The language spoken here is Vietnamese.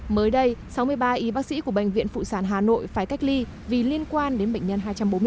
mới đây sáu mươi ba y bác sĩ của bệnh viện phụ sản hà nội phải cách ly vì liên quan đến bệnh nhân hai trăm bốn mươi ba